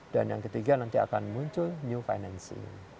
dan yang ketiga nanti akan muncul new financing